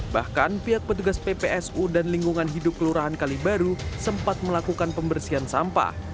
bahkan pihak petugas ppsu dan lingkungan hidup kelurahan kalibaru sempat melakukan pembersihan sampah